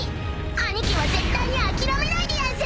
［兄貴は絶対に諦めないでやんす！］